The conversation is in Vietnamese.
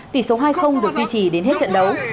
tỷ số hai được duy trì đến hết trận đấu